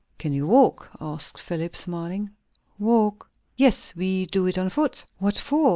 "Can you walk?" asked Philip, smiling. "Walk!" "Yes. We do it on foot." "What for?